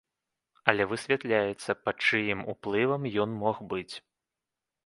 Але высвятляецца, пад чыім уплывам ён мог быць.